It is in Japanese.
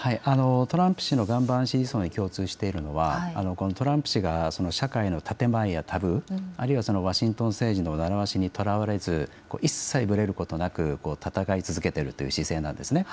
トランプ氏の岩盤支持層に共通しているのはトランプ氏が社会の建て前やタブー、あるいはワシントン政治の習わしにとらわれず、一切ぶれることなく戦い続けているという姿勢なんです。